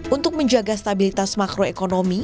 untuk menjaga stabilitas makroekonomi